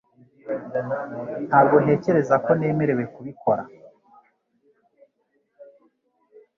Ntabwo ntekereza ko nemerewe kubikora